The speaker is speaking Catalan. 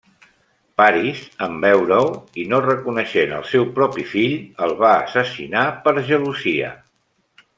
Paris en veure-ho, i no reconeixent el seu propi fill, el va assassinar per gelosia.